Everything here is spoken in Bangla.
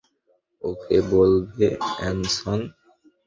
ওকে বলবে, অ্যানসন?